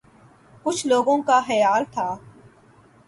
کچھ لوگوں کا خیال تھا